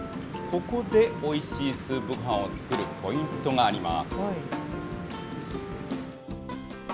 ここでおいしいスープごはんを作るポイントがあります。